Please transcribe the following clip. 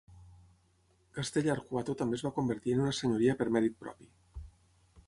Castell'Arquato també es va convertir en una senyoria per mèrit propi.